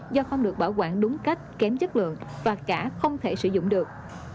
do không được bảo quản đúng cách kém chất lượng và cả không thể sử dụng được